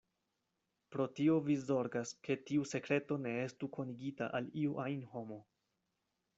Pro tio vi zorgas, ke tiu sekreto ne estu konigita al iu ajn homo.